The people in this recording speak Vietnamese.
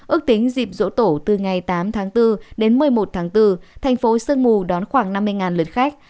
ước tính dịp dỗ tổ từ ngày tám tháng bốn đến một mươi một tháng bốn thành phố sơn mù đón khoảng năm mươi lượt khách